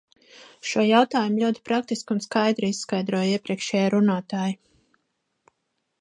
Šo jautājumu ļoti praktiski un skaidri izskaidroja iepriekšējie runātāji.